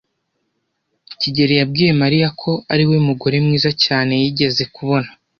kigeli yabwiye Mariya ko ariwe mugore mwiza cyane yigeze kubona.